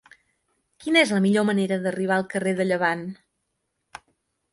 Quina és la millor manera d'arribar al carrer de Llevant?